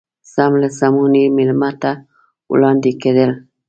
سم له سمونې مېلمه ته وړاندې کېدل.